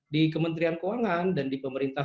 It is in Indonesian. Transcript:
di kementerian keuangan dan di pemerintah